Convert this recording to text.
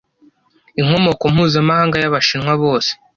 Inkomoko mpuzamahanga yabashinwa bose